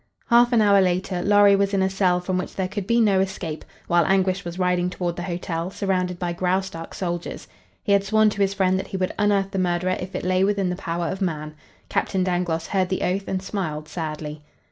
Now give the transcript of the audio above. Half an hour later Larry was in a cell from which there could be no escape, while Anguish was riding toward the hotel, surrounded by Graustark soldiers. He had sworn to his friend that he would unearth the murderer if it lay within the power of man. Captain Dangloss heard the oath and smiled sadly.